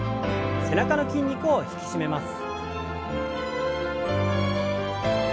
背中の筋肉を引き締めます。